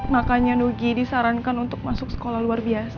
makanya nugi disarankan untuk masuk sekolah luar biasa